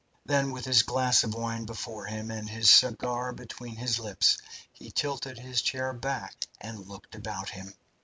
Then, with his glass of wine before him and his cigar between his lips, he tilted his chair back and looked about him.